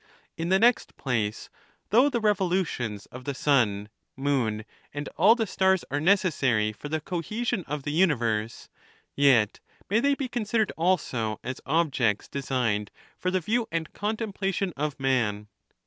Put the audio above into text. In the next place, though the revolutions of the sun, moon, and all the stars are necessary for the cohesion of the universe, yet may they be considered also as objects designed for the view and contemplation of man.